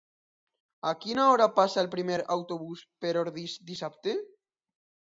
A quina hora passa el primer autobús per Ordis dissabte?